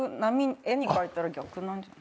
絵に描いたら逆なんじゃ。